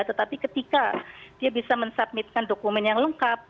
tetapi ketika dia bisa mensubmitkan dokumen yang lengkap